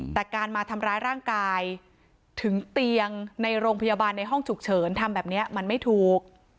แต่การมาทำร้ายร่างกายถึงเตียงในโรงพยาบาลในห้องฉุกเฉินทำแบบนี้มันไม่ถูก